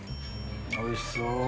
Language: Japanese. おいしそう！